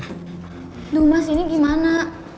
aduh mas ini gimana